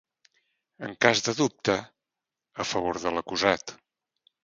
En cas de dubte, a favor de l'acusat.